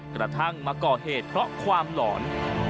กระทั่งมาก่อเหตุเพราะความหลอน